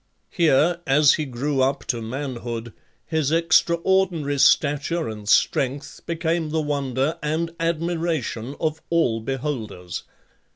Here, as he grew up to manhood, his extraordinary stature and strength became the wonder and admiration of all beholders.